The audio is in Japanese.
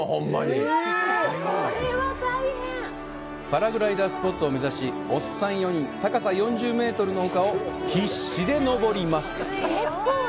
パラグライダースポットを目指し、おっさん４人、高さ４０メートルの丘を必死で登ります！